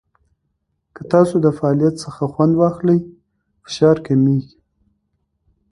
که تاسو د فعالیت څخه خوند واخلئ، فشار کمېږي.